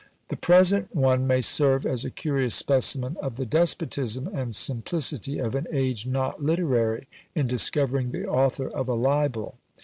The present one may serve as a curious specimen of the despotism and simplicity of an age not literary, in discovering the author of a libel.